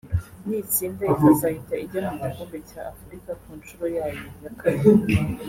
nitsinda ikazahita ijya mu gikombe cya Afurika ku nshuro yayo ya kabiri